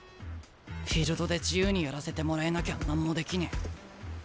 フィールドで自由にやらせてもらえなきゃ何もできねえ。